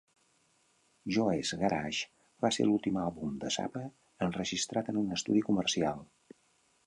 "Joe's Garage" va ser l'últim àlbum de Zappa enregistrat en un estudi comercial.